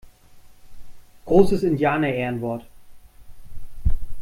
Großes Indianerehrenwort!